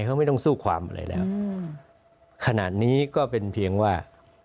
เขาไม่ต้องสู้ความอะไรแล้วขนาดนี้ก็เป็นเพียงว่า